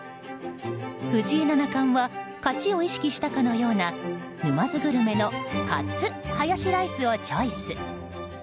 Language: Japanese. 藤井七冠は勝ちを意識したかのような沼津グルメのカツハヤシライスをチョイス。